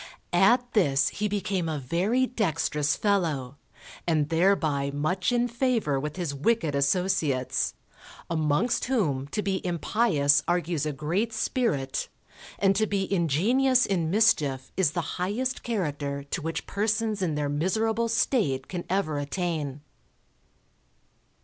At this he became a very dextrous fellow, and thereby much in favour with his wicked associates, amongst whom to be impious argues a great spirit, and to be ingenious in mischief is the highest character to which persons in their miserable state can ever attain.